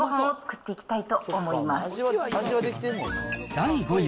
第５位。